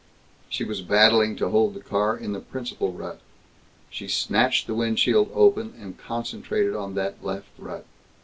She was battling to hold the car in the principal rut. She snatched the windshield open, and concentrated on that left rut.